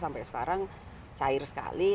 sampai sekarang cair sekali